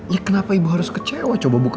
ya kenapa ibu harus kecewa coba buka nih kabar gempa